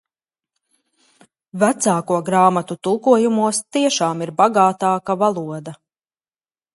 Vecāko grāmatu tulkojumos tiešām ir bagātāka valoda.